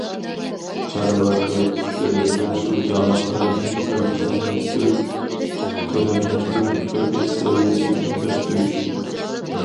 چارۋا، ئۆي قۇشلىرى ۋە سۇ جانلىقلىرىنى ئۆلچەملەشتۈرۈپ، كۆلەملەشتۈرۈپ بېقىش سەۋىيەسىنى ئۆستۈرۈش.